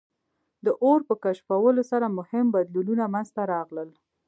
د اور په کشفولو سره مهم بدلونونه منځ ته راغلل.